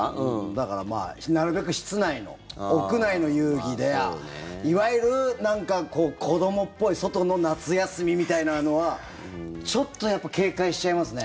だからまあなるべく室内の、屋内の遊戯でいわゆる子どもっぽい外の夏休みみたいなのはちょっと警戒しちゃいますね。